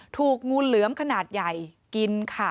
ถูกงูเหลือมขนาดใหญ่กินค่ะ